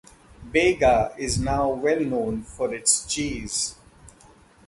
Bega is now well known for its cheese.